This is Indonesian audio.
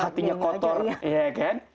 hatinya kotor iya kan